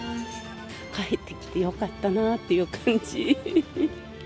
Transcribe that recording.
帰ってきてよかったなという感じ。